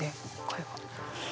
これは。